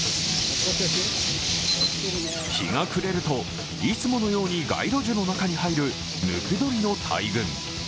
日が暮れるといつものように街路樹の中に入るムクドリの大群。